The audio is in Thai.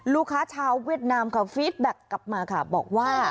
ลูกค้าชาวเวียดนามค่ะฟีดแบ็คกลับมาค่ะบอกว่า